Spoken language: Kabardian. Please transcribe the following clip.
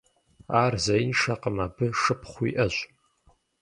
Ар зеиншэкъым, абы шыпхъу иӀэщ.